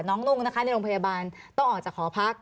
นุ่งนะคะในโรงพยาบาลต้องออกจากหอพัก